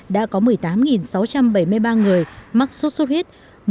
đã có một mươi tám sáu trăm bảy mươi ba người mắc sốt xuất huyết